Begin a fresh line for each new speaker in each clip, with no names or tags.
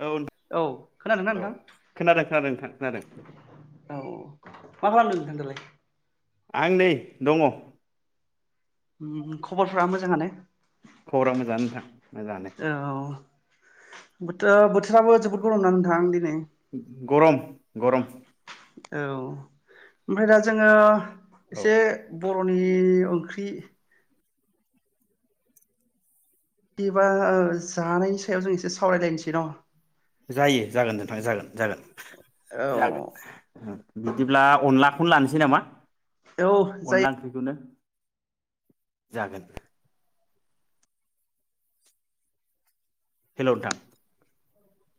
औ नोंथां
औ खोनादोंना
औ खोनादों खोनादों खोनादों
नोंथां औ मा खालामदों होनदोलाय
आं नै दङ
उम खबरफ्रा मोजाङानो
खबरा मोजाङानोंथां मोजाङानो
औ बोथो बोथोराबो जोबोद गरमना नोंथां दिनै
गरम गरम
औ ओमफ्राय दा जोङो
औ
एसे ब' बर'नि ओंख्रि बिदिबा जानायनि सायाव जों एसे सावरायलायनोसै न'
जायो जागोन नोंथां जागोन जागोन
औ
जागोन ओ बिदिब्ला अनलाखौनो लानोसै नामा?
औ जायो
अनला ओंख्रिखौनो जागोन हेलौ नोंथां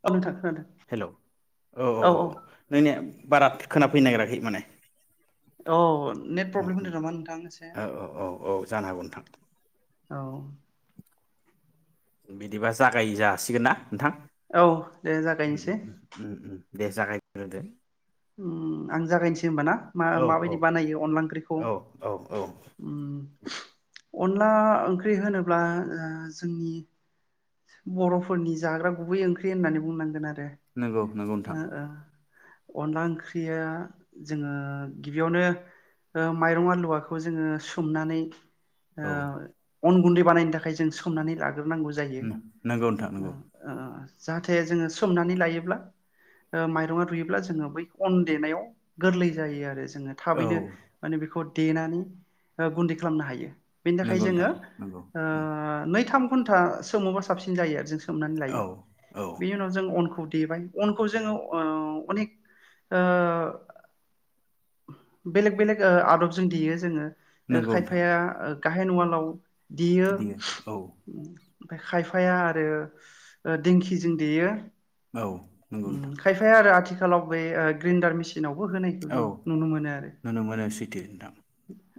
औ नोंथां खोनादों
हेलौ औ औ औ बारा खोनाफैनो नागिराखै माने
औ नेट
उम
प्रब्लेम
उम
होनदों नामा नोंथां एसे
ओ ओ औ औ जानो हागौ नोंथां।
औ
बिदिबा जागाय जासिगोन ना? नोंथां
औ दे
उम
जागायनोसै
उम उम उम दे जागायग्रो दो
उम आं जागायनोसै होमबाना मा
औ औ
माबायदि बानायो अनला ओंख्रिखौ?
औ औ औ
उम अनला ओंख्रि होनोब्ला ओ जोंनि बर'फोरनि जाग्रा गुबै ओंख्रि होननानै बुंनांगोन आरो
नोंगौ नोंगौ नोंथां।
ओ ओ अनला ओंख्रिया जोङो गिबियावनो ओ माइरं आलुवाखौ खौ जोङो सोमनानै
औ
ओ अन गुन्दै बानायनो थाखाय जों सोमनानै लागोन। लाग्रो नांगौ जायो।
नंगौ नोंथां नंगौ
जाहाथे जोङो सोमनानै लायोब्ला ओ माइरङा रुयोब्ला जोङो बै अन देनायाव गोरलै जायो आरो। जोङो
औ
थाबैनो माने बेखौ देनानै ओ गुन्दै खालामनो हायो। बेनि थाखाय
नंगौ
जोङो
नोंथां नंगौ
ओ
उम
नै थाम घन्टा सोमोबा साबसिन जायो आरो जों सोमनानै लायो
औ औ
बेनि उनाव जों अनखौ देबाय अनखौ जोङो ओ अनेक ओ बेलेग बेलेग आदबजों देयो। जोङो। ओ
नंगौ नोंथां
खायफाया गाहेन उवालाव दियो
बियो औ
ओमफ्राय खायफाया आरो दिंखिजों देयो।
औ नंगौ नोंथां
खायफाया आरो आथिखालाव आथिखालाव बे ग्रेन्दार मेसिन सिनावबो होनायखौ
औ
जों नुनो मोनो आरो।
नुनो मोनो सैथो नोंथां।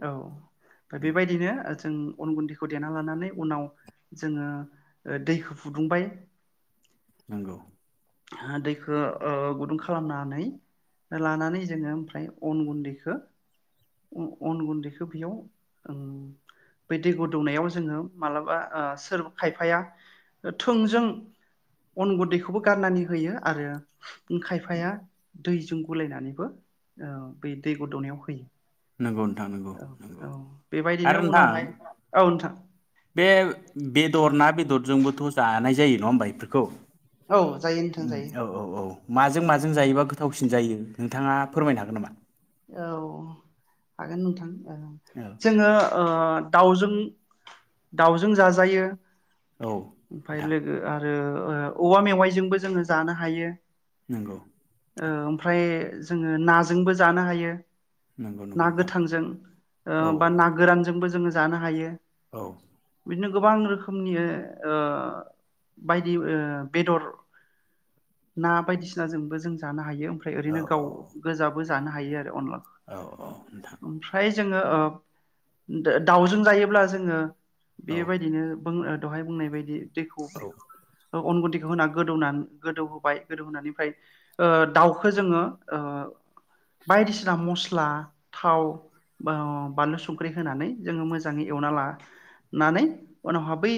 औ। बेबायदिनो जों अन गुन्दैखौ देना लानानै उनाव जोङो ओ दैखौ फुदुंबाय।
नंगौ।
दैखौ ओ गुदुं खालामनानै लानानै जोङो ओमफ्राय अन गुन्दैखौ अन गुन्दैखौ बेयाव ओम बे दै गोदौनायाव जोङो मालाबा ओ सोरबा खायफाया थोंजों अन गुन्दैखौबो गारनानै होयो आरो खायफाया दैजों गुलायनानैबो ओ बे दै गोदौनायाव होयो।
नंगौ नोंथां
औ
नंगौ-नंगौ
औ बेबायदिनो
आरो नोंथां
उनावहाय औ नोंथां
बे बेदर ना बे बेदरजोंबोथ' जानाय जायो नङा होनबा बेफोरखौ।
औ जायो नोंथां जायो।
माजों-माजों जायोबा गोथावसिन जायो नोंथाङा फोरमायनो हागोन नामा?
औ हागोन नोंथां।
औ
जोङो ओ दाउजों-दाउजों जाजायो।
औ
ओमफ्राय
नोंथां
लोगो ओ ओ औवा मेवाइजोंबो जोङो जानो हायो।
नंगौ।
ओ ओमफ्राय जोङो नाजोंबो। जानो हायो।
नंगौ नंगौ
ना
नोंथां
गोथांजों ओ
औ
बा ना गोरानजोंबो जोङो। जानो हायो।
औ।
बिनो गोबां रोखोमनि ओ बायदि ओ बेदर ना बायदिसिनाजोंबो जों जानो हायो। ओमफ्राय
औ
ओरैनो गाव गोजाब। जानो हायो आरो। अनला
औ औ नोंथां
ओमफ्राय‌। जोङो ओ दाउजों जायोब्ला जोङो।
औ
बेबायदिनो बुं दहाय बुंनाय बायदि दैखौ
औ
अनगुदि खौ होना गोदौनानै गोदौ होबाय गोदौहोनानैफ्राय दाउखौ जोङो ओ बायदिसिना मस्ला, थाव, बानलु, संख्रि होनानै जोङो मोजाङै एवना लानानै उनावहा बै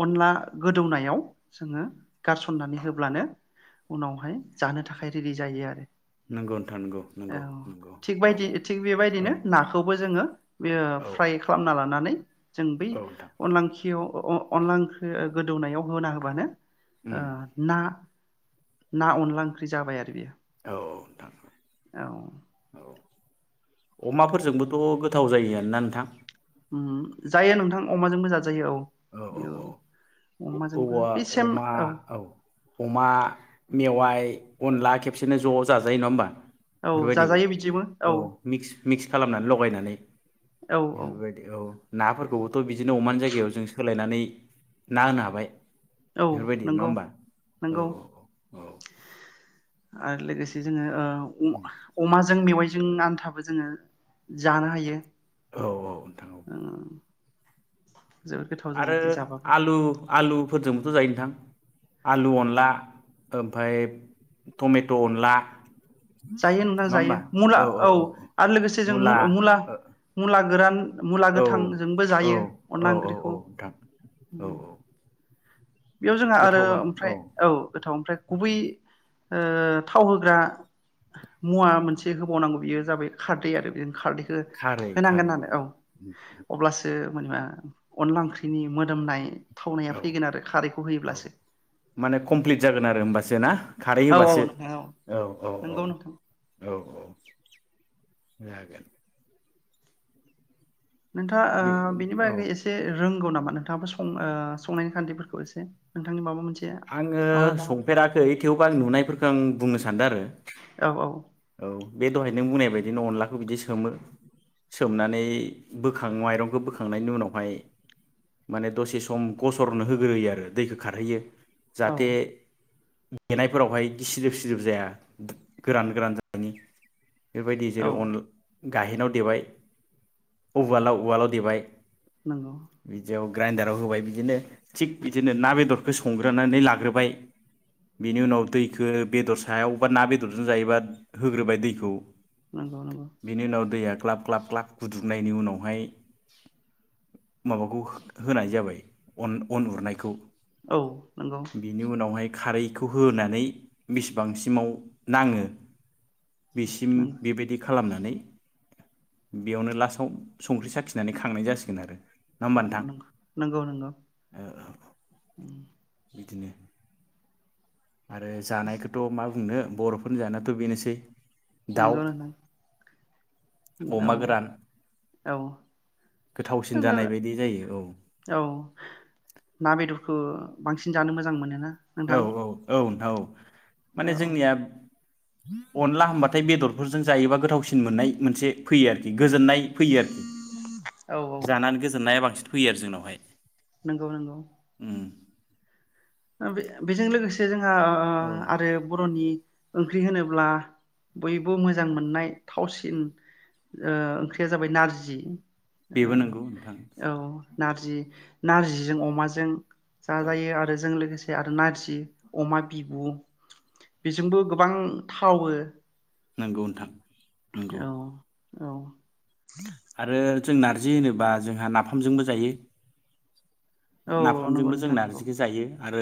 ओअनला गोदौनायाव जोङो गारसननानै होब्लानो उनावहाय जानो थाखाय रेडि जायो आरो।
नंगौ नोंथां नंगौ
औ
नंगौ नंगौ
थिग
औ
बादि थिग
औ
बेबायदिनो नाखौबो जोङो
औ
फ्राय खालामना लानानै जों बै
नोंथां
अनलांखियाव अ अनला ओंख्रिगोदौनायाव होना होबानो
उम
ओ ना ना अनला ओंख्रि जाबाय आरो बेयो।
औ औ नोंथां
औ
औ अमाफोरजोंबोथ' गोथाव जायोओना नोंथां?
ओ जायो नोंथां अमाजोंबो जा
औ औ औ
अमाजोंबो
औवा
बे सेम
अमा औ अमा मेवाय, ओम अनला खेबसेनो ज' जाजायो नङा होमबा?
औ
बेफोरबायदिबो
जाजायो बिदिबो औ।
मिक्स मिक्स खालामनानै लगायनानै
औ औ
बेफोरबायदि औ नाफोरखौबोथ' बिदिनो अमानि जायगायाव जों होलायनानै ना होनो हाबाय।
औ
बेफोरबायदि नङा
नंगौ
होमबा औ
नंगौ।
औ
आरो लोगोसे जोङो ओ अमा अमाजों मेवाय जों आन्थाबो जोङो जानो हायो।
औ औ नोंथां औ
जोबोद गोथाव जायो
आरो
बिदि जाबाबो
आलु आलुफोरजोंबोथ' जायो नोंथां? आलु अनला, ओमफाय टमेट अनला,
जायो नोंथां जायो मुला औ आरो लोगोसे जों मु मुला मुला गोरान मुला
ओ औ
गोथांजोंबो
औ
जायो अनला
औ औ औ
ओंख्रिखौ।
नोंथां औ औ
बेयाव जोंहा आरो ओमफ्राय औ गोथाव ओमफ्राय गुबै ओ थाव होग्रा मुवा मोनसे होबावनांगौ बियो जाबाय खारदै आरो बे खारदै ओ
खारै
होनांगोन
खारै
नानो औ अब्लासो मानबा अनला ओंख्रिनि मोदोमनाय थावनाया
औ
फैगोन आरो
औ
होयोब्लासो
माने कमप्लिट जागोन आरो होमबासो ना खारै
औ औ
होबासो
नोंथां
औ औ औ औ
नंगौ नोंथां
औ जागोन।
नोंथाङा
बे
ओ बेनि
औ
बागै एसे रोंगौ नाम नोंथाङाबो सं ओ संनायनि खानथिफोरखौ माबा मोन
आङो संफेराखै थेवबो आं नुनायफोरखो आं बुंनो सानदों आरो
औ
औ बे दहाय नों बुंनाय बायदिनो अनलाखौ बिदि सोमो सोमनानै बोखाङो माइरंखौ बोखांनायनि उनावहाय माने दसे सम गसरनो होग्रोयो आरो दैखो खारहोयो।
औ
जाहाथे देनायफोरावहाय गिसिदोब सिदोब जाया गोरान गोरान जानायनि बेबायदि
औ
जेरै अन गाहेनाव देबाय अ उवालाव उवालाव देबाय
नंगौ
बिदियाव ग्राइन्दाराव होबाय बिदिनो थिक बिदिनो ना बेदरखो सं नानै लाग्रोबाय बिनि उनाव दैखौ बेदर सायाव बा ना बेदरजों जायोबा होग्रोबाय दैखौ
नंगौ नंगौ
बिनि उनाव दैया ग्लाब ग्लाब ग्लाब गुदुंनायनि उनावहाय माबाखौ होनाय जाबाय अन उरनायखौ
औ नंगौ
बिनि उनावहाय खारैखौ होनानै बेसेबांसिमाव नाङो बेसिम
नंगौ
बेबायदि खा खालामनानै बेयावनो लास्टआव संख्रि साखिनानै खांनाय जासिगोन आरो। नङा
अ
होमबा नोंथां
नंगौ नंगौ ओ
बिदिनो आरो जानायखौथ' मा नो बर'फोरनि जानायाथ' बेनोसै। दाउ
नोंगौ नोंथां औ
अमा गोरान
औ
गोथावसिन
जोङो
जानाय बायदि जायो औ
औ ना बेदर खौ बांसिन जानो मोजां मोनो ना।
औ औ औ औ
औ
माने जोंनियाब अनला होनबाथाय बेदरफोरजों जायोबा गोथावसिन मोननाय मोनसे फैयो आरोखि। गोजोननाय फैयो आरोखि
औ
जानानै गोजोननाया बांसिन। फैयो आरो जोंनावहाय।
नोंगौ नोंगौ।
उम
ओम बे बेजों लोगोसे जों आ
औ
आरो बर'नि ओंख्रि होनोब्ला बयबो मोजां मोननाय थावसिन ओ ओंख्रिया जाबाय नारजि।
बेबो
ओ
नोंगौ नोंथां।
औ नारजि नारजिजों अमाजों जा
औ
जायो आरो जों लो गोसे आरो नारजि अमा बिबु बेजोंबो गोबां थावो।
नोंगौ नोंथां नोंगौ।
औ औ
आरो जों नारजि होनोबा जोंहा नाफामजोंबो जायो।
औ नंगौ
नाफामजोंबो जों
नोंथां नंगौ
नारजिखौ जायो। आरो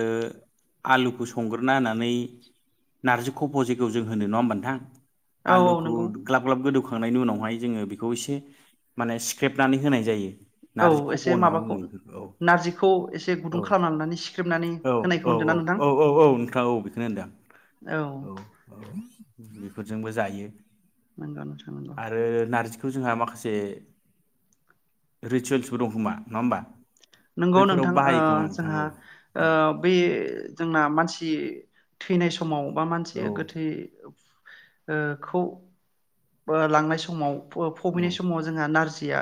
आलुखौ संग्रोना होनानै नारजि खब' जेखौ जों होनो नङा होमबा नोंथां?
औ
आलुखौ
नंगौ
ग्लाब ग्लाब गोदौ होखांनायनि उनावहाय जोङो बेखौ एसे माने सिख्रेबनानै होनाय जायो।
औ
नारजि खफ'
एसे
होनना
माबाखौ
बुङो बेफोरखौ
नारजि खौ एसे
औ
गुदुं खालामना लानानै सि
औ औ औ औ औ औ नोंथां औ बेखौनो होनदों आ औ औ। बेफोरजोंबो जायो।
नोंगौ नोंथां नोंगौ।
खौ जोंहा माखासे रिसुयेल्सबो दंमोन खोमा नङा होमबा?
नोंगौ
बैफोराव
नोंथां ओ
बाहायो खोमा नोंथां
जोंहा
औ
ओ बे जोंना मानसि थैनाय सम समाव बा मानसि
औ
गोथै खौ लांनाय समाव
औ
फबैनाय समाव जोंहा नारजि या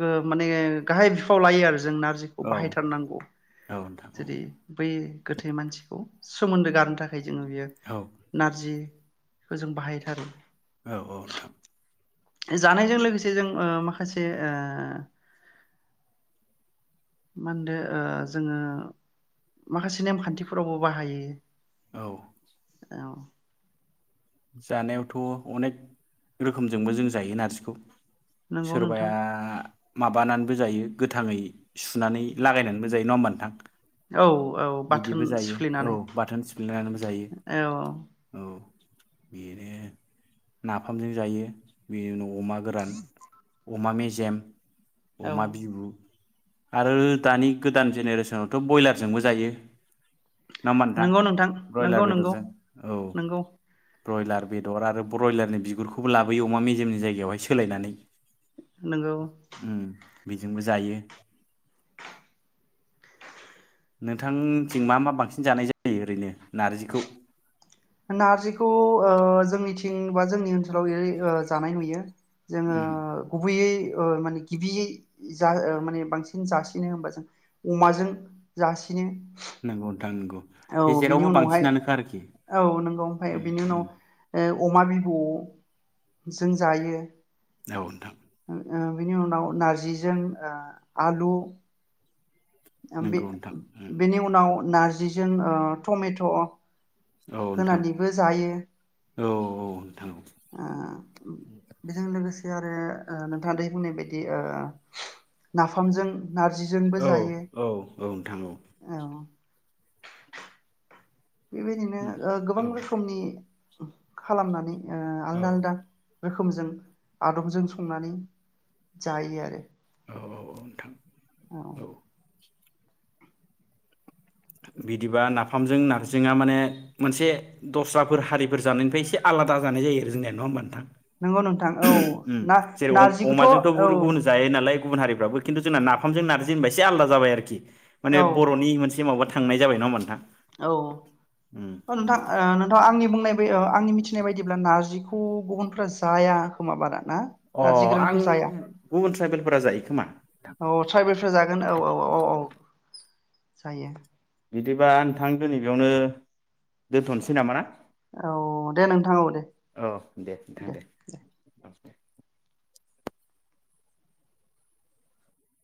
गो माने गाहाय बिफाव लायो आरो जोंना
औ
बाहायथारनांगौ
औ नोंथां औ
जेरै बै गोथै मानसिखौ सोमोन्दो गारनो थाखाय बेजोंनो बियो
औ
नारजि बेखौ जों बाहायथारो
औ औ नोंथां
जानायजों लोगोसे जों माखासे ओ मा होनदों जोङो माखासे नेम खानथिफोरावबो बाहायो
औ
औ
जानायावथ' अनेक रोखोमजोंबो जों जायो नारजिखौ
नंगौ
सोरबाया
नोंथां
माबानानैबो जायो गोथाङै सुनानै लागायनानैबो जायो नङा होनबा नोथां?
औ औ बाथोन
औ
सिफ्लेनानै
बाथोन सिफ्लेनानैबो जायो
औ
औ बेनो नाफामजों जायो बेनि न' अमा गोरान अमा मे जेम
औ
अमा बिबु आरो दानि गोदान जेनेरेसनावथ' ब्रयलारजोंबो जायो [inaudible]
नंगौ नोंथां
ब्रयलार
नंगौ नंगौ
बेदरजों औ
नंगौ।
ब्रयलार बेदर आरो ब्रयलारनि बिगुरखौबो लाबोयो अमा मेजेमनि जायगायावहाय सोलायनानै।
नंगौ
उम बेजोंबो जायो। नोंथांनिथिं मा मा बांसिन जानाय जायो ओरैनो नारजिखौ?
नारजिखौ ओ जोंनिथिं बा जोंनि ओनसोलाव एरै जानाय नुयो। जोङो
उम
गुबैयै ओ माने गिबियै जा माने बांसिन जासिनो होनबा जों अमाजों जासिनो।
नंगौ नोंथां नंगौ बे
औ बिनि
जेरावबो
उनावहाय
बांसिनानोखा आरोखि।
औ नंगौ ओमफ्राय
उम
बिनि
उम
उनाव ओ अमा बिब'जों जायो।
औ नोंथां
ओ बिनि उनाव नारजिजों ओ आलु ओम बे
नंगौ नोंथां उम
बेनि उनाव नार जिजों ओ टमेट'
औ नोंथां
होनानैबो जायो
औ औ नोंथां
ओ बेजों लोगोसे। आरो ओ नोंथाङा दहाय बुंनाय बायदि ओ नाफामजों नारजिजोंबो
औ
जायो
औ नोंथां
औ बेबायदिनो ओ गोबां
औ
रोखोमनि खालामनानै। ओ
औ
आलदा आलदा। रोखोमजों आदबजों संनानै जायो आरो।
औ औ औ नोंथां औ। बिदिबा नाफामजों नारजिजोंआ माने मोनसे दस्राफोर हारिफोर जानायनिफ्राय एसे आलादा जानाय जायो आरो जोंनिया नङा होमबा नोंथां?
नंगौ नोंथां औ
उम जेरै अमाजोंथ'
ना-नारजिखौथ' औ।
गुबुन जायो नालाय गुबुन हारिफ्राबो खिन्थु जों नाफामजों नारजि होनबा एसे आलदा जाबाय आरोखि। माने
औ
बरनि मोनसे माबा। थांनाय जाबाय नङा नोंथां। उम
औ नोंथां
उम
अ नोंथां आंनि बुंनाय आंनि मिथिनाय बायदिब्ला नारजिखौ गुबुनफ्रा जाया खोमा बारा। ना
अ
नारजि
आं
गोरानखौ जाया
गुबुन ट्राइबेलफोरा जायो खोमा नोंथां
औ ट्राइबेलफ्रा जागोन औ औ औ औ। जायो।
बिदिबा नोंथां दिनै बेयावनो दोन्थनोसै नामा ना।
औ दे नोंथां औ दे दे दे।